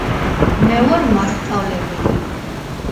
მე ვარ მასწავლებელი.